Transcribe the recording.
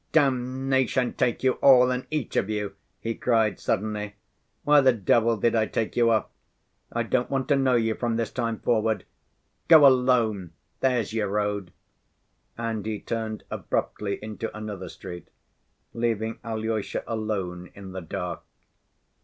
"Damnation take you all and each of you!" he cried suddenly, "why the devil did I take you up? I don't want to know you from this time forward. Go alone, there's your road!" And he turned abruptly into another street, leaving Alyosha alone in the dark.